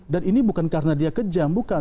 dan ini bukan karena dia kejam bukan